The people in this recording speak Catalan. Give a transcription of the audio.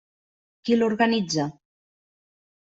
Qui l'organitza?